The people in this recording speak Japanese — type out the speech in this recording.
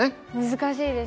難しいです